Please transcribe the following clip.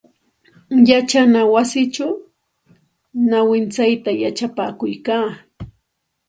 Yachana wasichaw nawintsayta yachapakuykaa.